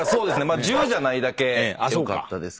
１０じゃないだけよかったですけど。